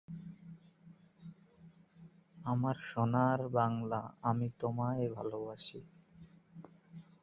ধূসর বাদামি রংয়ের এই পাখিদের আকৃতি অনেকটা মুরগির মতো।